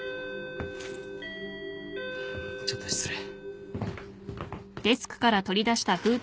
・ちょっと失礼。